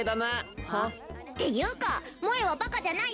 は？っていうか萌はバカじゃないし！